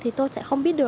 thì tôi sẽ không biết